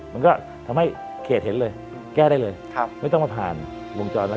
มันก็ทำให้เขตเห็นเลยแก้ได้เลยไม่ต้องมาผ่านวงจรแล้ว